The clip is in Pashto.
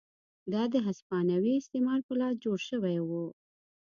دا د هسپانوي استعمار په لاس جوړ شوي وو.